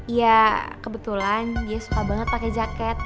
ya kebetulan dia suka banget pakai jaket